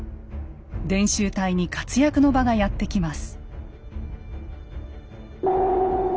伝習隊に活躍の場がやって来ます。